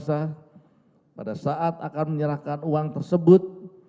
saudara jafar hamsa pada saat akan menyerahkan uang tersebut